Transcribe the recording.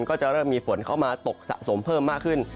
ก็จะเริ่มมีฝนเข้ามาตกสะสมเพิ่มมากขึ้น